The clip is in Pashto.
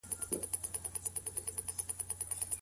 که د اوسپني پلونه رنګ سي، نو زنګ نه وهي.